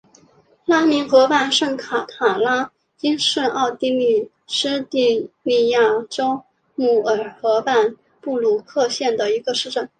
拉明河畔圣卡塔赖因是奥地利施蒂利亚州穆尔河畔布鲁克县的一个市镇。